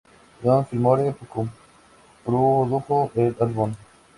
Don Gilmore, coprodujo el álbum.